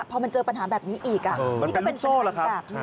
พอมันเจอปัญหาแบบนี้อีกมันเป็นลูกโซ่แหละครับ